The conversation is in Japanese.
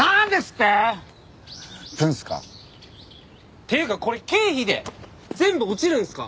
っていうかこれ経費で全部落ちるんすか？